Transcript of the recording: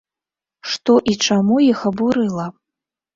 Што і чаму іх абурыла?